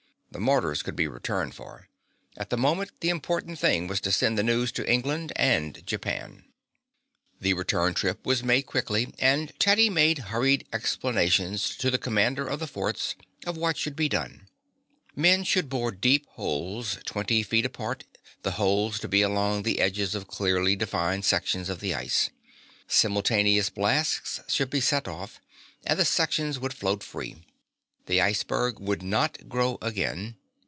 The mortars could be returned for. At the moment the important thing was to send the news to England and Japan. The return trip was made quickly, and Teddy made hurried explanations to the commandant of the forts of what should be done. Men should bore deep holes twenty feet apart, the holes to be along the edges of clearly defined sections of the ice. Simultaneous blasts should be set off, and the sections would float free. The iceberg would not grow again.